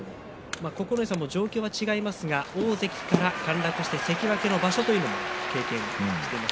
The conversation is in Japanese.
九重さんも状況は違いますが大関から陥落して関脇の場所というのを経験しています。